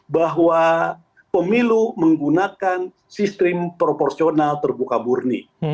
bahwa pemilu menggunakan sistem proporsional terbuka burni